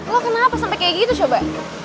lo kenapa sampai kayak gitu coba